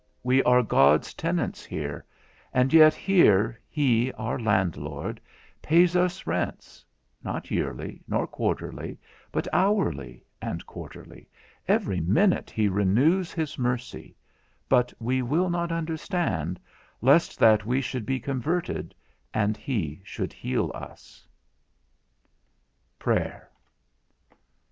We are God's tenants here, and yet here, he, our landlord, pays us rents; not yearly, nor quarterly, but hourly, and quarterly; every minute he renews his mercy, but we will not understand, lest that we should be converted, and he should heal us. I. PRAYER.